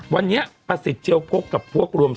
วันนี้ประสิทธิ์เจียวพกกับพวกรวม